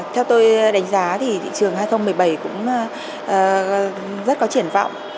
theo tôi đánh giá thì thị trường hai nghìn một mươi bảy cũng rất có triển vọng